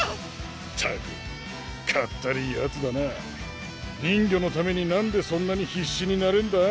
ったくかったりぃヤツだな人魚のためになんでそんなに必死になれんだ？